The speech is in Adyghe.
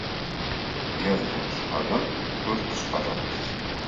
Ер зымышӏэрэм шӏур ышӏэрэп.